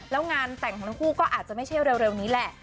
และงานแต่งทั้งคู่ก็อาจจะไม่เชียวเร็วนี้แหละ